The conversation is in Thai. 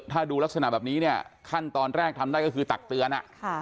ถ้าดูลักษณะแบบนี้เนี่ยขั้นตอนแรกทำได้ก็คือตักเตือน